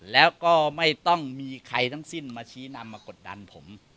แล้วก็ไม่ต้องมีใครทั้งสิ้นมาชี้นำมากดดันผม